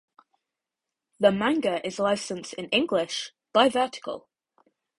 The manga is licensed in English by Vertical.